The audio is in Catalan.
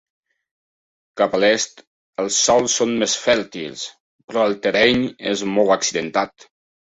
Cap a l'est, els sòls són més fèrtils, però el terreny és molt accidentat.